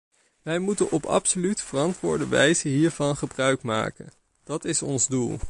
Wij moeten op absoluut verantwoorde wijze hiervan gebruik maken: dat is ons doel.